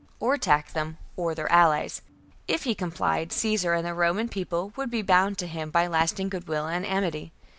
or attack them or their allies. If he complied, Caesar and the Roman People would be bound to him by lasting goodwill and amity.